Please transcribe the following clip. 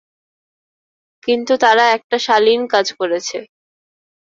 কিন্তু তারা একটা শালীন কাজ করেছে।